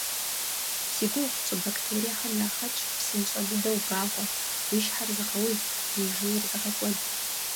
Зи гугъу тщӀы бактериехэм яхэтщ псынщӀэ дыдэу багъуэ, уи щхьэр зыгъэуз, уи жейр зыгъэкӀуэд.